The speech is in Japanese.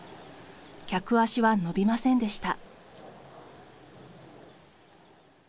客足は伸びませんでした。